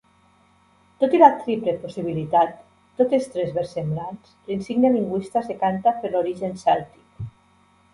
Tot i la triple possibilitat, totes tres versemblants, l'insigne lingüista es decanta per l'origen cèltic.